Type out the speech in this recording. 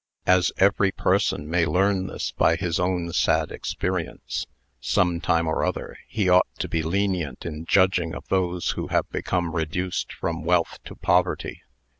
As every person may learn this by his own sad experience, some time or other, he ought to be lenient in judging of those who have become reduced from wealth to poverty."